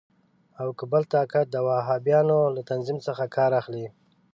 او که بل طاقت د وهابیانو له تنظیم څخه کار اخلي.